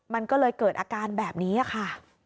มันก็เลยเกิดอาการแบบนี้ค่ะ